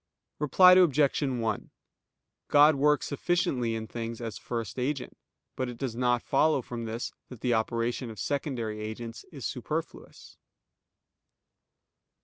Reply Obj. 1: God works sufficiently in things as First Agent, but it does not follow from this that the operation of secondary agents is superfluous.